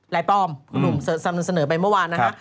ลายปลอมคุณหนุ่มเสนอไปเมื่อวานนะคะ